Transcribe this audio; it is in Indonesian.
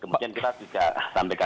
kemudian kita juga sampaikan